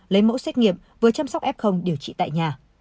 lấy mẫu xét nghiệm vừa chăm sóc f điều trị tại nhà